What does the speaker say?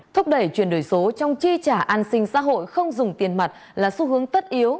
thúc đẩy chuyển đổi số trong chi trả an sinh xã hội không dùng tiền mặt là xu hướng tất yếu